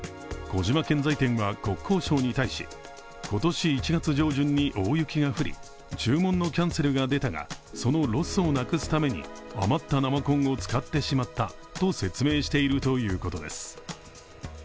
小島建材店は国交省に対し今年１月上旬に大雪が降り、注文のキャンセルが出たが、そのロスをなくすために余った生コンを使ってしまったと説明しているということです。